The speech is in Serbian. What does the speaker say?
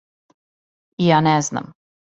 И ја не знам.